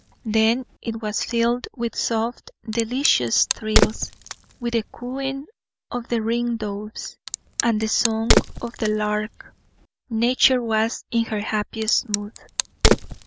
Then it was filled with soft, delicious thrills with the cooing of the ring doves, and the song of the lark. Nature was in her happiest mood.